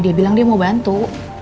dia bilang dia mau bantu